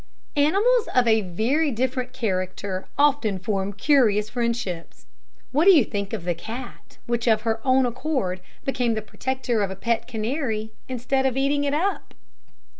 Animals of a very different character often form curious friendships. What do you think of the cat which of her own accord became the protector of a pet canary, instead of eating it up?